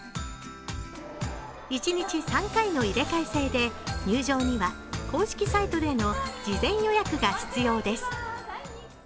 一日３回の入れ替え制で入場には公式サイトでの事前予約が必要です。